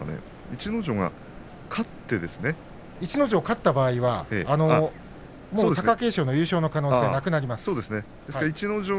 逸ノ城が勝った場合は貴景勝の優勝の可能性はなくなります。